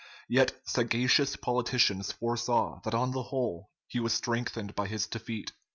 Yet sagacious politicians foresaw that on the whole he was strengthened by his defeat.